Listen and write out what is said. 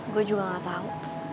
gue juga gak tau